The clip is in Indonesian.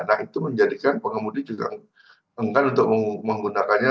nah itu menjadikan pengemudi juga enggan untuk menggunakannya